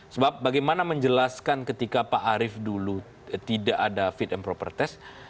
sebab bagaimana menjelaskan ketika pak arief dulu tidak ada fit and proper test